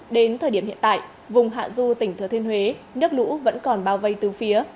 đến thời điểm hiện tại vùng hạ du tỉnh thừa thiên huế nước lũ vẫn còn bao vây từ phía